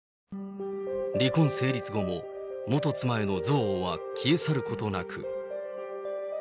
離婚成立後も、元妻への憎悪は消え去ることなく。